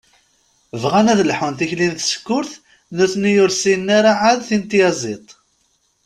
Bɣan ad lḥun tikli n tsekkurt, nutni ur ssinen ara ɛad tin n tyaziḍt.